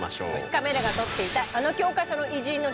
カメラが撮っていたあの教科書の偉人の貴重映像。